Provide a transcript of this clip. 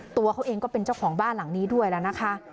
ตัวเขาเองก็เป็นเจ้าของบ้านหลังนี้ด้วยแล้วนะคะ